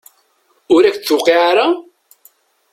Ur ak-d-tuqiɛ ara?